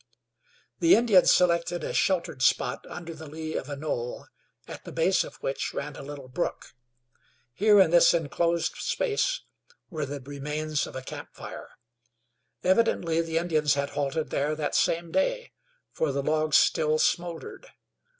The Indians selected a sheltered spot under the lee of a knoll, at the base of which ran a little brook. Here in this inclosed space were the remains of a camp fire. Evidently the Indians had halted there that same day, for the logs still smouldered.